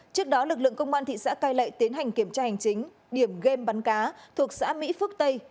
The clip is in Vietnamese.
trước đó lực lượng công an thị xã cai lệ tiến hành kiểm tra hành chính điểm game bắn cá thuộc xã mỹ phước tây